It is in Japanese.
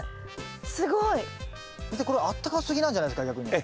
先生これあったかすぎなんじゃないですか逆に。